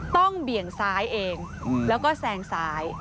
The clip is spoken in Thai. เบี่ยงซ้ายเองแล้วก็แซงซ้าย